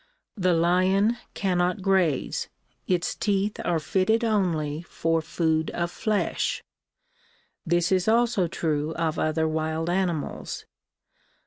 The lion cannot graze ; its teeth are fitted only for food of flesh. This is also true of other wild animals.